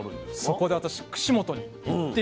そこで私串本に行ってきました。